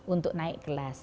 untuk naik kelas